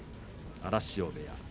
荒汐部屋。